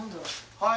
はい！